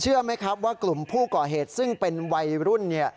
ไหมครับว่ากลุ่มผู้ก่อเหตุซึ่งเป็นวัยรุ่น